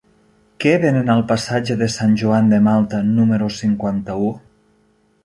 Què venen al passatge de Sant Joan de Malta número cinquanta-u?